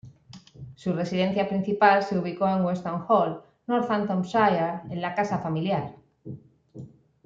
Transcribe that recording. Su residencia principal se ubicó en Weston Hall, Northamptonshire, en la casa familiar.